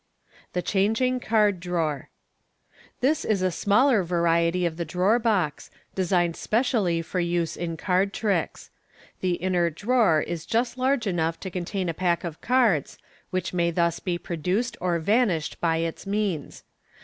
The Changing Card Drawer. — This is a smaller variety of the drawer box, designed specia'ly for use in card tricks. The inner drawer is just large enough to contain a pack of cards, which may thus be produced or vanished by its means.